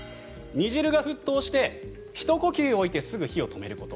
煮汁が沸騰してひと呼吸おいてすぐに火を止めること。